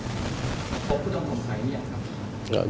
๑๖ก็ต้องสงสัยเหรอครับ